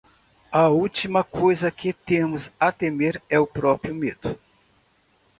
A única coisa que temos a temer é o próprio medo.